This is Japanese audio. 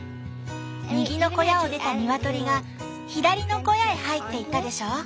右の小屋を出たニワトリが左の小屋へ入っていったでしょ？